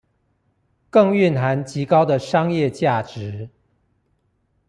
更蘊含極高的商業價值